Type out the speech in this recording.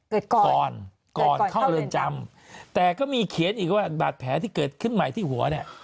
ก่อนก่อนเข้าเรือนจำแต่ก็มีเขียนอีกว่าบาดแผลที่เกิดขึ้นใหม่ที่หัวเนี่ย